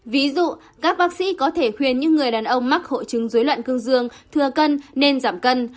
ví dụ các bác sĩ có thể khuyên như người đàn ông mắc hội chứng dối loạn cương dương thừa cân nên giảm cân